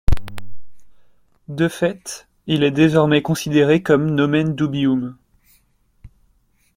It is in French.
De fait, il est désormais considéré comme nomen dubium.